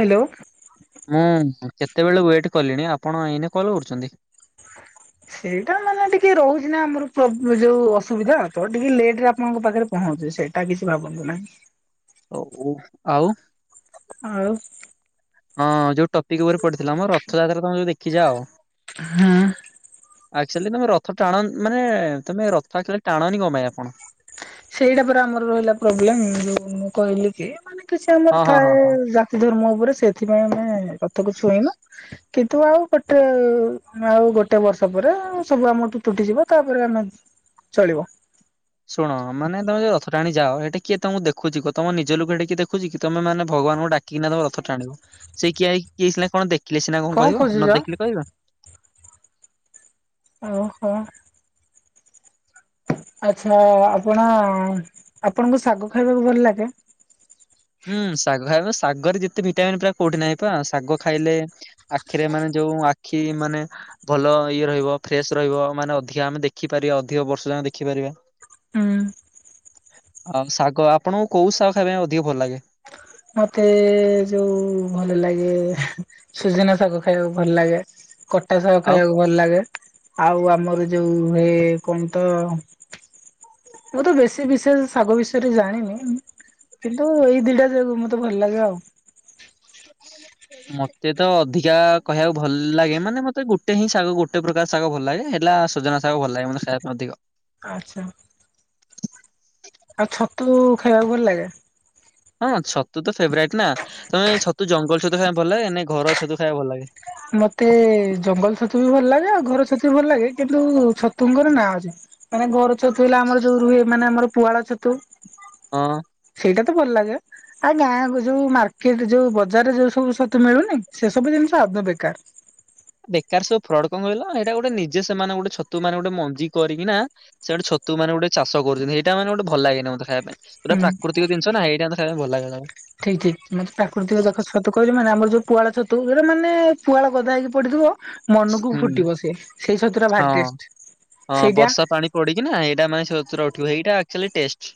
Hello. ମୁଁ କେତେବେଳେ wait କଲିଣି ଆପଣ ଏଇନେ କଲ୍ କରୁଛନ୍ତି। ସେଇଟା ମାନେ ଟିକେ ରହୁଛି ନା ଆମର ପ୍ରୋ ଯୋଉ ଅସୁବିଧା ତ ଟିକେ ଲେଟରେ ଆପଣଙ୍କ ପାଖରେ ପ ହଞ୍ଚୁ ସେଇଟା କିଛି ଭାବନ୍ତୁ ନାହିଁ। ହଉ ଆଉ। ଆଉ। ହଁ ଯୋଉ ଟପିକ୍ ଉପରେ ପଡିଥିଲା ମ ରଥଯାତ୍ରା ତମେ ଯୋଉ ଦେଖି ଯାଅ। ହଁ। ଆକ୍ଚୁଆଲି ତମେ ରଥ ଟାଣ ମାନେ ତମେ ରଥ ଆକ୍ଚୁଆଲି ଟାଣଣି କଣ ପାଇଁ ଆପଣ? ସେଇଟା ପା ଆମର ରହିଲା ପ୍ରୋବ୍ଲେମ ଯୋଉ ମୁଁ କହିଲି କି ମାନେ କିଛି ଆମର ହଁ ହଁ ଥାଏ ହଁ ହଁ ଧର୍ମ ଉପରେ ସେଥିପାଇଁ ଆମେ ରଥକୁ ଛୁଇନୁ। କିନ୍ତୁ ଆଉ ଗୋଟେ ଆଉ ଗୋଟେ ବର୍ଷ ପରେ ସବୁ ଆମଠୁ ତୁଟିଯିବ ତାପରେ ଆମେ ଚଳିବ। ଶୁଣ ମାନେ ତମେ ଯଉ ରଥଟାଣିଯାଅ ହେଠି କିଏ ତମକୁ ଦେଖୁଛି କୁହ। ତମ ନିଜ ଲୋକ ହେଠି କିଏ ଦେଖୁଛି କି ତମେମାନେ ଭଗବାନଙ୍କୁ ଡାକି କି ନା ତମେ ରଥ ଟାଣିବ। ସେ କିଏ କିଏକିନା କଣ ଦେଖିଲେ ସିନା କଣ କହିବ ନ ଦେଖିଲେ କହିବ। ଓହୋ। ଆଛା ଆପଣ ଆପଣଙ୍କୁ ଶାଗ ଖାଇବାକୁ ଭଲ ଲାଗେ? ହୁଁ ଶାଗ ଖାଇବା ଶାଗରେ ଯେତେ ଭିଟାମିନ୍ ପ୍ରାୟ କୋଉଠି ନାହିଁ ପା। ଶାଗ ଖାଇଲେ ଆଖିରେ ମାନେ ଯୋଉଁ ଆଖି ମାନେ ଭଲ ଇଏ ରହିବ ଫ୍ରେଶ ରହିବ ମାନେ ଅଧିକା ଆମେ ଦେଖିପାରିବା ଅଧିକ ବର୍ଷ ଯାଙ୍କ ଦେଖିପାରିବା। ଉୁଁ। ଆମ୍ ଶାଗ ଆପଣଙ୍କୁ କୋଉ ଶାଗ ଖାଇବା ପାଇଁ ଅଧିକ ଭଲ ଲାଗେ? ମତେ ଯୋଉ ଭଲ ଲାଗେ ସୁଜୁନା ଶାଗ ଖାଇବାକୁ ଭଲ ଲାଗେ। କଟା ସାଗ ଆଉ ଖାଇଆକୁ ଭଲ ଲାଗେ ଆଉ ଆମର ଯୋଉ ହେ କଣ ତ ମୁଁ ତ ବେଶୀ ବିଶେଷ ଶାଗ ବିଷୟରେ ଜାଣିନି। କିନ୍ତୁ ଏଇ ଦିଟା ଯାକ ମତେ ଭଲ ଲାଗେ ଆଉ। ମତେ ତ ଅଧିକା କହିଆକୁ ଭଲ ଲାଗେ ମାନେ ମତେ ଗୋଟେ ହିଁ ଶାଗ ଗୋଟେ ପ୍ର [unintelligible] ସାଗ ଭଲ ଲାଗେ ହେଲା ସୁଜୁନା ସାଗ ଭଲ ଲାଗେ ମ [unintelligible] ଖାୟା ପାଇଁ ଅଧିକ। ଆଚ୍ଛା। ଆଉ ଛତୁ ଖାଇଆକୁ ଭଲ ଲାଗେ? ହଁ ଛତୁ ତ ଫେବରାଇଟ୍ ନା ତମେ ଛତୁ ଜଙ୍ଗଲ ଛତୁ ଖାୟାଁ ଭଲ ଲାଗେ ନା ଘର ଛତୁ ଖାୟା କୁ ଭଲ ଲାଗେ? ମତେ ଜଙ୍ଗଲ ଛତୁ ବି ଭଲ ଲାଗେ ଆଉ ଘର ଛତୁ ବି ଭଲ ଲାଗେ କିନ୍ତୁ ଛତୁଙ୍କର ନା ଅଛି। ମାନେ ଘର ଛତୁ ହେଲା ଆମର ଯୋଉ ରୁହେ ମାନେ ଆମର ପୁହାଳ ଛତୁ। ଅ [unintelligible] ସେଇଟା ତ ଭଲ ଲାଗେ। ଆଉ ଗାଁ କ ଯୋଉ ମାର୍କେଟ ଯୋଉ ବଜାରରେ ଯୋଉ ସବୁ ଛତୁ ମିଳୁନି ସେ ସବୁ ଜିନିଷ ଆଦୋଉଁ ବେକାର୍। ବେକାର ସବୁ ଫ୍ରଡ କଁ କହିଲ ଏଇଟା ଗୋଟେ ନିଜେ ସେମାନେ ଗୋଟେ ଛତୁ ମାନେ ଗୋଟେ ମଞ୍ଜି କରିକି ନା ସେ ଗୋଟେ ଛତୁ ମାନେ ଗୋଟେ ଚାଷ କରୁଚନ୍ତି ଏଇଟା ମଟେ ଭଲ ଲାଗେନା ମତେ ଖାଇଆ ପାଇଁ। ପୁରା ହୁଁ ପ୍ରାକୃତିକ ଜିନିଷ ନା ଏଇଟା ମତେ ଖାଇବା କୁ ଭଲ ଲାଗେ। ଠିକ୍ ଠିକ୍ ମତେ ପ୍ରାକୃତିକ ତ କହିଲେ ମାନେ ଆମର ଯୋଉ ପୁଆଳ ଛତୁ ଯୋଉଟା ମାନେ ପୁଆଳ ଗାଦା ହେଇକି ପଡିଥିବ ମନକୁ ହୁଁ ଫୁଟିବ ସେ ସେଇ ଛତୁରା ଭାରି ଟେଷ୍ଟ୍ ସେଇଟା ପଡିଚି ନା ଏଇଟା ମାନେ ଛତୁରା ଉଠିବ ଏଇଟା ଆକଚଲି ଟେଷ୍ଟ୍।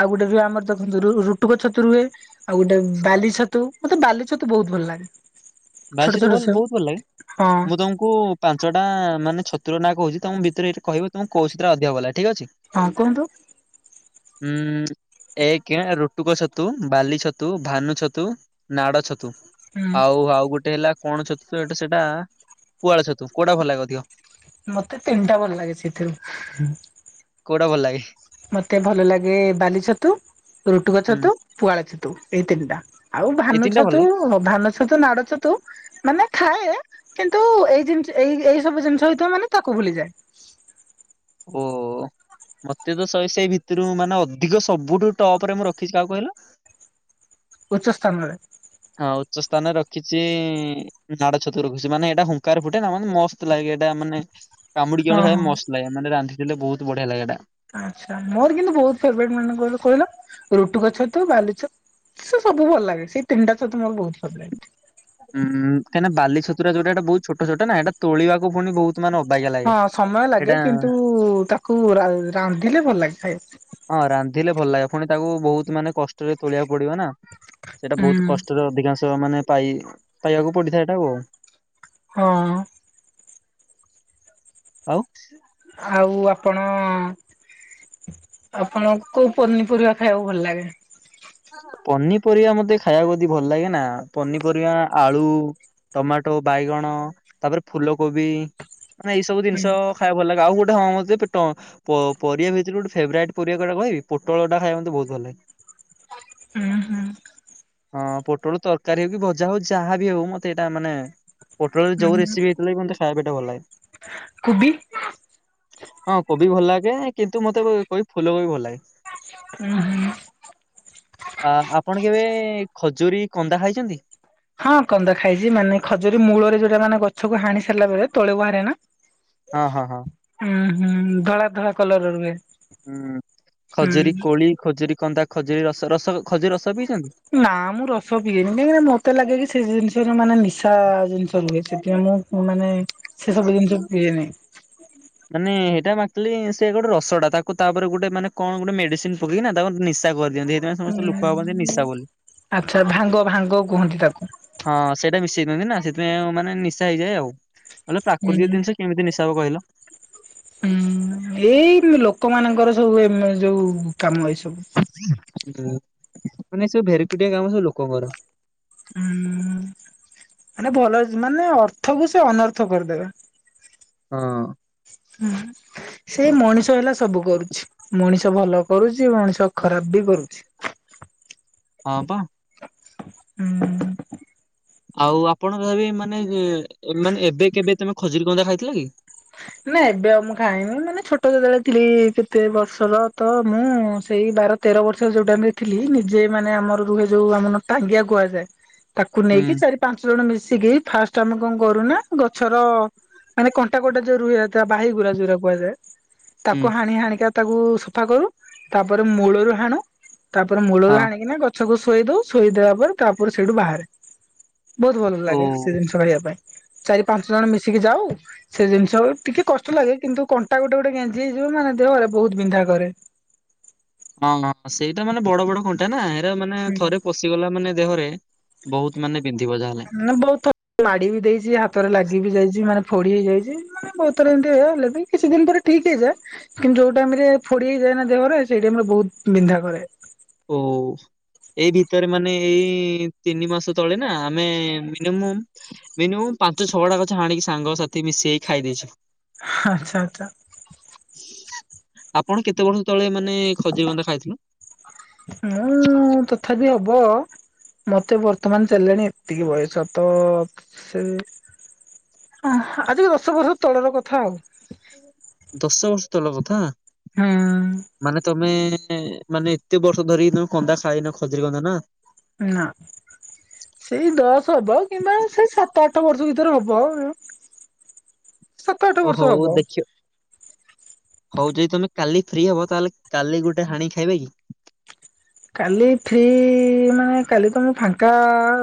ଆଉ ଗୋଟେ ବି ଆମର [unintelligible] ରୁ ରୁଟୁକ ଛତୁ ରୁଏ। ଆଉ ଗୋଟେ ବାଲି ଛତୁ ମତେ ବାଲି ଛତୁ ବହୁତ୍ ଭଲ ଲାଗେ। ବାଲି ଛୋଟ ଛତୁ ଛୋଟ ଭଲ ଛ ବହୁତ୍ ଭଲ ହଁ ଲାଗେ ମୁଁ ତମୁ କୁ ପାଞ୍ଚଟା ମାନେ ଛତୁର ନା କହୁଚି ତମ ଭିତରେ ଏଇଟି କହିବ ତମକୁ କୋଉ ଛତୁଟା ଅଧିକ ଭଲ ଲାଗେ ଠିକ୍ ଅଛି। ହଁ କୁହନ୍ତୁ। ଉୁଁ। ଏକେ ରୁଟୁକ ଛତୁ, ବାଲି ଛତୁ, ଭାନୁ ଛତୁ, ନାଡ ଛତୁ। ହୁଁ ଆଉ ଆଉ ଗୋଟେ ହେଲା କଣ ଛତୁ ସେଟ୍ ସେଟା ପୁଆଳ ଛତୁ କୋଉଟା ଭଲ ଲାଗେ ଅଧୀକ? ମତେ ତିନଟା ଭଲ ଲାଗେ ସେଥିରୁ। କୋଉଟା ଭଲ ଲାଗେ? ମତେ ଭଲ ଲାଗେ ବାଲି ଛତୁ, ରୁଟୁକ ହୁଁ। ଛତୁ, ପୁଆଳ ଛତୁ ଏଇ ତିନଟା। ଆଉ ଏଇ ଭାନ ତିନିଟା ଭଲ ଛତୁ, ଲାଗେ ଭାନ ଛତୁ, ନାଡ ଛତୁ ମାନେ ଖାଏ କିନ୍ତୁ ଏଇ ଜେମତି ଏଇ ଏଇ ସବୁ ଜିନିଷ ହେଇତିବ ମାନେ ତାକୁ ଭୁଲିଯାଏ। ଓ। ମତେ ତ ଶଏ ସେଇ ଭିତରୁ ମାନେ ଅଧିକ ସବୁଠୁ ଟପ ରେ ମୁଁ ରଖିଚି କାହାକୁ କହିଲ? ଉଚ୍ଚ ସ୍ଥାନରେ। ଆଉ ଉଚ୍ଚ ସ୍ତାନରେ ରଖିଚି। ନାଡ ଛତୁ ରଖୁଚି ମାନେ ଏଇଟା ହୁଙ୍କାରେ ଫୁଟେ ନା ମାନେ ମସ୍ତ ଲାଗେ ଏଟା ମାନେ କାମୁଡି କି ହଁ [unintelligible] ହଁ ମସ୍ତ ଲାଗେ ମାନେ ରାନ୍ଧି ଦେଲେ ବହୁତ ଵଢିଆ ଲାଗେ ଏଟା। ଆଚ୍ଛା ମୋର କିନ୍ତୁ ବହୁତ ଫେବରେଟ ମାନ କହିଲା ରୁଟୁକଛତୁ ବାଲି ଛ ସେ ସବୁ ଭଲ ଲାଗେ ସେଇ ତିନିଟାଛତୁ ମୋର ବହୁତ ଫେଵରେଟ। ହୁ କାହିଁକିନା ବାଲି ଛତୁ ଯୋଉଟା ଏଟା ବହୁତ ଛୋଟଛୋଟ ନା ଏଟା ତୋଣିବାକୁ ପୁଣି ବହୁତୁ ହଁ ସମୟ ଲାଗେ କିନ୍ତୁ ତାକୁ ରା ରାନ୍ଧିଲେ ଭଲ ଲାଗେ ଖାଇବାକୁ। ହଁ ରାନ୍ଧିଲେ ଭଲ ଲାଗେ ପୁଣି ତାକୁ ବହୁତ ମାନେ କଷ୍ଟରେ ତୋଳିବାକୁ ପଡିବ ନା। ସେଇଟା ବହୁତ ହୁଁ କଷ୍ଟରେ ଅଧିକାଂଶ ମାନେ ପାଇ ପାଇବାକୁ ପଡିଥାଏ ଏଇଟାକୁ ଆଉ। ହଁ। ଆଉ ଆଉ ଆପଣ ଆପଣଙ୍କୁ କୋଉ ପନିପରିବା ଖାଇବାକୁ ଭଲ ଲାଗେ? ପନିପରିବା ମତେ ଖାଇବାକୁ ଆଦି ଭଲ ଲାଗେ ନା ପନିପରିବା ଆଳୁ ଟମାଟୋ ବାଇଗଣ ତାପରେ ଫୁଲକୋବି ମାନେ ଏଇ ସବୁ ଜିନିଷ, ଖାଇବାକୁ ଭଲ ଲାଗେ ଆଉ ଗୋଟେ ହ ଯେ ପେଟ। ପ ପରିବା ଭିତରେ ଗୋଟେ ଫେବରେଟ ପରିବା କୋଉଟା କହିଵି ପୋଟଳ ଟା ଖାଇବାକୁ ମୋତେ ବହୁତୁ ଭଲ ଲାଗେ। ଉହୁଁ। ହଁ ପୋଟଳ ତରକାରୀ ହଉ କି ଭଜା ହଉ ଯାହା ବି ହଉ ମତେ ଏଇଟା ମାନେ ପୋଟଳରେ ଯେଉ ରେସିପି ହେଇଥିଲେ କିନ୍ତୁ ଖାଇବାକୁ ଭଲ ଲାଗେ। କୁବି? ହଁ କୋବି ଭଲ ଲାଗେ କିନ୍ତୁ ମତେ କୋବି ଫୁଲ କୋବି ଭଲ ଲାଗେ। ଉହୁଁ। ଆ ଆପଣ କେବେ ଖଜୁରୀ କନ୍ଦା ଖାଇଛନ୍ତି? ହଁ କନ୍ଦା ଖାଇଛି ମାନେ ଖଜୁରୀ ମୂଳରେ ଯୋଉଟା ମାନେ ଗଛକୁ ହାଣି ସାରିଲା ପରେ ତଳେ ବାହାରେ ନା? ହଁ ହଁ ହଁ। ଉହୁଁ ଧଳା ଧଳା କଲର ରୁହେ। ହୁଁ ଖଜୁରୀ ହୁଁ କୋଳି ଖଜୁରୀ କନ୍ଦା ଖଜୁରୀ ର ରସ ଖଜୁରୀ ରସ ପିଇଛନ୍ତି? ନା ମୁଁ ରସ ପିଏନି କାହିଁକିନା ମତେ ଲାଗେ କି ସେ ଜିନିଷ ର ମାନେ ନିଶା ଜିନିଷ ରୁହେ ସେଥିପାଇଁ ମୁଁ ମାନେ ସେ ସବୁ ଜିନିଷ ପିଏନି। ମାନେ ହେଇଟା ମ୍ୟାମ୍ ଏକ୍ଟୁଆଲୀ ସେ ଗୋଟେ ରସଟା ତାକୁ ତାପରେ ଗୋଟେ ମାନେ କଣ ଗୋଟେ ମେଡିସିନ ପକେଇକି ନା ତାକୁ ନିଶା କରିଦିଅନ୍ତି। ସେଥିପାଈଁ ସମସ୍ତେ ଲୋକ ଭାବନ୍ତି ନିଶା ବୋଲି। ଆଚ୍ଛା ଭାଙ୍ଗ ଭାଙ୍ଗ କୁହନ୍ତି ତାକୁ। ହଁ ସେଇଟା ମିଶେଇଦିଅନ୍ତି ନା ସେଥିପାଇଁ ମାନେ ନିଶା ହେଇଯାଏ ଆଉ ମାନେ ହୁଁ ପ୍ରାକୃତିକ ଜିନିଷ କେମିତି ନିଶା ହବ କହିଲ? ହୁଁ ଏଇ ଲୋକମାନଙ୍କର ସବୁ ଏମା ଏ ଯୋଉ କାମ ଏଇ ସବୁ। ହୁଁ ମାନେ ସବୁ ଭେରକୁଟିଆ କାମ ସବୁ ଲୋକଙ୍କର। ହୁଁ ଉଁ ମାନେ ଭଲ ମାନେ ଅର୍ଥକୁ ସେ ଅନର୍ଥ କରିଦେବେ। ହଁ। ଉହୁଁ। ସେଇ ମଣିଷ ହେଲା ସବୁ କରୁଛି ମଣିଷ ଭଲ କରୁଛି ମଣିଷ ଖରାପ ବି କରୁଛି। ହଁ ବା। ହୁଁ ଉଁ ଆଉ ଆପଣ ତଥାପି ମାନେ ମାନେ ଏବେ କେବେ ତମେ ଖଜୁରୀ କନ୍ଦା ଖାଇଥିଲ କି? ନା ଏବେ ଆଉ ମୁଁ ଖାଇନି ମାନେ ଛୋଟ ଯେତେବେଳେ ଥିଲି କେତେ ବର୍ଷର ତ ମୁଁ ସେଇ ବାର ତେର ବର୍ଷ ଯୋଉ ଟାଇମ ରେ ଥିଲି ନିଜେ ମାନେ ଆମର ରୁହେ ଯୋଉ ଆମ ଟାଙ୍ଗିଆ କୁହାଯାଏ। ତାକୁ ହୁଁ ନେଇକି ଚାରି ପାଞ୍ଚ ଜଣ ମିଶିକି ଫାଷ୍ଟ ଆମେ କଣ କରୁନା ଗଛର ମାନେ କ କଣ୍ଟା ଗୋଟେ ଯୋଉ ରୁହେ ତାବାହି ଗୁୁରା ଯୋଉ କୁହାଯାଏ ହୁଁ ତାକୁ ହାଣି ହାଣିକା ତାକୁ ସଫା କରୁ ତାପରେ ମୂଳରୁ ହାଣୁ ତାପରେ ମୂଳରୁ ହଁ ହାଣିକିନା ଗ ଗଛକୁ ଶୁଆଇ ଦଉ ଶୁଆଇ ଦେଲା ପରେ ତାପରେ ସେଇଠୁ ବାହାରେ। ବହୁତ୍ ଭଲ ଲାଗେ ଓ ସେଜିନିଷ ଖାଇବା ପାଇଁ ଚାରି ପାଞ୍ଚ ଜଣ ମିଶିକି ଯାଉ ସେଜିନିଷ ଟିକେ କଷ୍ଟ ଲାଗେ କିନ୍ତୁ କଣ୍ଟା ଗୋଟେ ଗୋଟେ ଗେଞ୍ଜି ହେଇଯିବନା ଦେହରେ ବହୁତ୍ ବିନ୍ଧା କରେ ହଁ ହଁ ସେଇଟା ମାନେ ବଡ଼ ବଡ଼ କଣ୍ଟାନା ଏରା ମାନେ ହୁଁ ଥରେ ପଶି ପଶିଗଲା ମାନେ ଦେହରେ ବହୁତ୍ ମାନେ ବିନ୍ଧିବ ଯାହା ହେଲେ। ମୁଁ ବହୁତ୍ ଥର ମାଡ଼ିବି ଦେଇଚି ହାତରେ ଲାଗିବି ଯାଇଚି ମାନେ ପୋଡ଼ି ହେଇଯାଇଚୀ। ବହୁତ୍ ଥର ଏମିତି ହୁଏ ହେଲେବି କିଛି ଦିନ ପରେ ଠିକ୍ ହେଇଯାଏ କିନ୍ତୁ ଯୋଉ ଟାଇମରେ ଫୋଡି ହେଇଯାଏନା ଦେହରେ ସେଇ ଟାଇମରେ ବହୁତ୍ ବିନ୍ଧା କରେ। ଓ। ଏଇ ଭିତରେ ମାନେ ଏଇ ତିନି ମାସ ତଳେନା ଅମେ ମିନିମମ୍ ମିନିମମ୍ ପାଞ୍ଚ ଛଅଟା ଗଛ ହାଣିକି ସାଙ୍ଗ ସାଥି ମିଶ ହେଇକି ଖାଇଦେଇଛୁ। ଆଚ୍ଛା ଆଚ୍ଛା‌। ଆପଣ କେତେ ବର୍ଷ ତଳେ ମାନେ ଖଜୁରୀ ବନ୍ଧା ଖାଇଥିଲ? ମୁଁ ତଥାପି ହବ ମତେ ବର୍ତ୍ତମାନ ଚାଲିଲାଣି ଏତିକି ବୟସ ତସେ ଆହା ଆଜିିକି ଦଶ ବର୍ଷ ତଳର କଥା ଆଉ। ଦଶ ବର୍ଷ ତଳର କଥା ହୁଁ ମାନେ ତମେ ମାନେ ଏତେ ବର୍ଷ ଧରି ତମେ କନ୍ଦା ଖାଇନ ଖୋଜିଲନିନା ନା। ସେଇ ଦଶ ହବ କିମ୍ବା ସେଇ ସାତ ଆଠ ବର୍ଷ ଭିତରେ ହବ ସାତ ଆଠ ଓ ବର୍ଷ ହଉ ହବ। ଦେଖି ହଉ ଯଦି ତମେ କାଲି ଫ୍ରି ହବ ତାହେଲେ କାଲି ଗୋଟେ ହାଣିକି ଖାଇବାକି? କାଲି ଫ୍ରି ମାନେ କାଲି ତ ମୁଁ ଫାଙ୍କା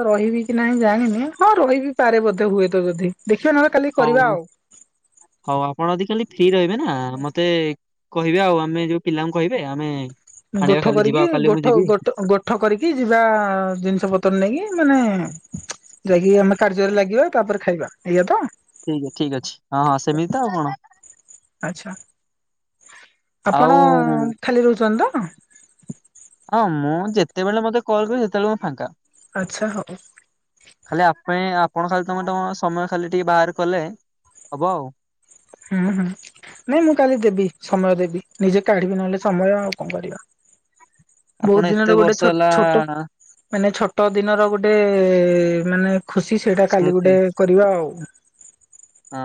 ରହିବି କି ନାହିଁ ଜାଣିନି ହଁ ରହିବି। ପାରେ ବୋଧେ ହୁଏତ ଯଦି ଦେଖିବା ନହେଲେ କାଲି ହଉ କରିବା ଆଉ। ହଉ ଆପଣ ଯଦି କାଲି ଫ୍ରି ରହିବେନା ମତେ କହିବେ ଆଉ ଆମେ ଯୋଉ ପିଲାଙ୍କୁ କହିବେ ଆମେ ଆଣିବା ଗୋଠ କାଲି ଯିବା କରିକି କାଲି ମୁଁ ଗୋଠ ଯିବି ଗୋଠ ଗୋ ଗୋଠ କରିକି ଯିବା ଜିନିଷ ପତ୍ର ନେଇକି ମାନେ ଯାଇକି ଆମେ କାର୍ଯ୍ୟରେ ଲାଗିବା ତାପରେ ଖାଇବା ଏଇଆତ? ଠିକ୍ ଅ ଠିକ୍ ଅଛି ହଁ ହଁ ସେମିତିତ ଆଉ କଣ। ଆଚ୍ଛା ଆଉ ଆପଣ ଖାଲି ରହୁଚନ୍ତିତ? ହଁ ମୁଁ ଯେତେବେଳେ ମତେ କଲ୍ କରିବେ ସେତେବେଳେ ମୁଁ ଫାଙ୍କା। ଆଚ୍ଛା ହଉ। ଖାଲି ଆପଣ ଆପଣ ଖାଲି ତମେ ତମ ସମୟ ଖାଲି ଟିକେ ବାହାର କଲେ ହବ ଆଉ। ହୁଁ ହୁଁ ନାଇଁ ମୁଁ କାଲି ଦେବି ସମୟ ଦେବି ନିଜେ କାଢିବି ନହେଲେ ସମୟ ଆଉ କଣ କରିବା। ଆପଣ ବହୁତ୍ ଏତେ ଦିନର ଗୋଟେ ବର୍ଷ ଛୋ ହେଲା ଛୋଟ ମାନେ ଛୋଟ ଦିନର ଗୋଟେ ମାନେ ଖୁସି ସେଇଟା କାଲି ସ୍ମୃତି ଗୋଟେ କରିବା ଆଉ। ହଁ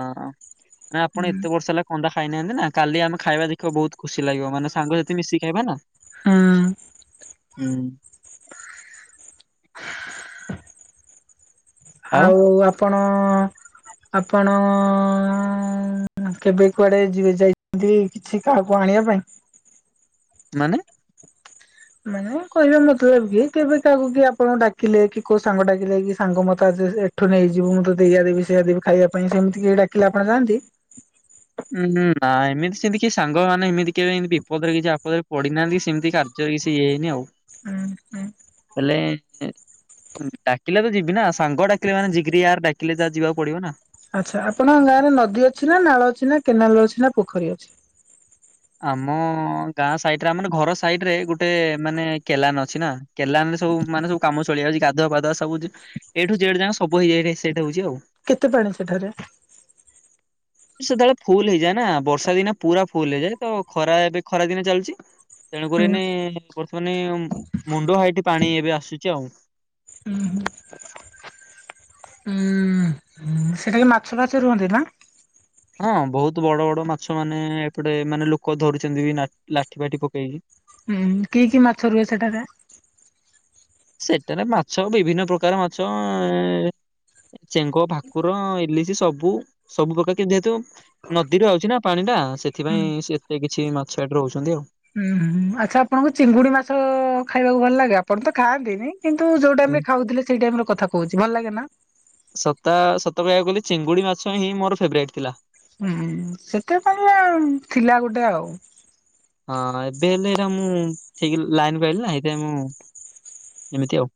ନା ଆପଣ ଏତେ ବର୍ଷ ହେଲା ଅଣ୍ଡା ଖାଇନାହାନ୍ତିନା କାଲି ଆମେ ଖାଇବା ଦେଖିବା ବହୁତ୍ ଖୁସି ଲାଗିବ ମାନେ ସାଙ୍ଗ ଯେଦି ମିଶି ଖାଇବାନା ହୁଁ। ହୁଁ ଆଉ ଆପଣ ଆପଣ ହୁଁ କେବେ କୁଆଡ଼େ ଯିବେ ଯାଇଚନ୍ତି କିଛି କାହାକୁ ଆଣିବା ପାଇଁ? ମାନେ। ମାନେ କହିବା ମତଲବ କି କେବେ କାହାକୁ କିଏ ଆପଣଙ୍କୁ ଡାକିଲେ କି କୋଉ ସାଙ୍ଗ ଡାକିଲେ କି ସାଙ୍ଗ ମତେ ଆଜି ଏ। ଏଠୁ ନେଇଯିବି ମୁଁ ତତେ ଏଇଆ ଦେବି ସେଇଆ ଦେବି ଖାଇବା ପାଇଁ ସେମିତି କେହି ଡାକିଲେ ଆପଣ ଯାଆନ୍ତି। ଉଁ ନା ଏମିତି ସେଁତି କି ସାଙ୍ଗମାନେ ଏମିତି କେବେ ଏମିତି ବିପଦରେ କିଛି ଆପଦରେ। ପଡି ନାହାନ୍ତି ସେମିତି କାର୍ଯ୍ୟ କିଛି ଇଏ ହେଇନି ଆଉ। ଉଁ ହୁଁ। ହେଲେ ଏଁ। ଡାକିଲେ ତ ଯିବି ନା ସାଙ୍ଗ ଡାକିଲେ ମାନେ ଯିଗିରି ୟାର୍ ଡାକିଲେ ତ ଯିବାକୁ ପଡିବ ନା। ଆଚ୍ଛା ଆପଣଙ୍କ ଗାଁ ରେ ନଦୀ ଅଛି ନା ନାଳ ଅଛି ନା କେନାଲ ଅଛି ନା ପୋଖରୀ ଅଛି। ଆମ ଗାଁ ସାଇଡ ରେ ଆମ ଘର ସାଇଡ ରେ ଗୋଟେ ମାନେ କେଲାନ ଅଛି ନା। କେଲାନ ରେ ସବୁ ମାନେ ସବୁ କାମ ଚଳି ଯାଉଛି ଗାଧୁଆ ପାଧୁଆ ସବୁ ଯୋଉ ଏ ଠୁ ଯେଡ଼ ଯାଙ୍କ ସବୁ ଇଏ ସେଠେ ହଉଛି ଆଉ। ସେଇଠା ହେଉଛି ଆଉ କେତେ ପାଣି ସେଠାରେ। ସେତେବେଳେ ଫୁଲ ହେଇଯାଏ ନା ବର୍ଷା ଦିନେ ପୁରା ଫୁଲ ହେଇଯାଏ ତ ଖରା ଏବେ ଖରା ଦିନ ଚାଲିଛି। ତେଣୁକରି ହୁଁ ଏଇନେ ବର୍ତ୍ତମାନେ ମୁଣ୍ଡ ହାଇଟି ପାଣି ଏବେ ଆସୁଛି ଆଉ। ଉୁ ହୁଁ। ଉଁ ହୁଁ ସେ ଖାଲେ ମାଛ ଫାଛ ରୁହନ୍ତି ନା। ହଁ ବହୁତ ବଡ ବଡ ମାଛ ମାନେ ଏପଟେ ମାନେ ଲୋକ ଧରୁଛନ୍ତି ନା ଲାଠି ଫାଠି ପକେଇକି। ହୁଁ କି କି ମାଛ ରୁହେ ସେଠା ରେ। ସେଠାରେ ମାଛ ବିଭିନ୍ନ ପ୍ରକାର ମାଛ ଏ। ଏ ଚେଙ୍ଗ ଭାକୁର ଇଲିଶି ସବୁ ସବୁ ପ୍ରକାର କିନ୍ତୁ ଯେହେତୁ। ନଦୀରୁ ଆଉଛି ନା ପାଣି ଟା ହୁଁ ସେଥିପାଇଁ ସି ଏତେ କିଛି ମାଛ ଏଠି ରହୁଛନ୍ତି ଆଉ। ହୁଁ ହୁଁ ଆଚ୍ଛା ଆପଣଙ୍କୁ ଚିଙ୍ଗୁଡି ମାଛ ଖାଇବାକୁ ଭଲ ଲାଗେ ଆପଣ ତ ଖାଆନ୍ତିନି। କିନ୍ତୁ ଯୋଉ ହୁଁ ଟାଇମ ରେ ଖାଉଥିଲେ ସେଇ ଟାଇମ ରେ କଥା କହୁଛି ଭଲ ଲାଗେ ନା। ସତା ସତ କହିବାକୁ ଗଲେ ଚିଙ୍ଗୁଡି ମାଛ ହିଁ ମୋର ଫେବରାଇଟ୍ ଥିଲା। ହୁଁ ସେଥିପାଇଁ ବା ଉଁ ଥିଲା ଗୋଟେ ଆଉ। ହଁ ଏବେ ହେଲେ ଏଇରା ମୁଁ ଠିକ୍ ଲାଇନକୁ ଆଇଲି ନା ହେଥିପାଇଁ ମୁଁ ଏମିତି ଆଉ।